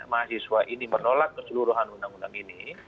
jadi maksudnya kalau mahasiswa ini menolak keseluruhan undang undang ini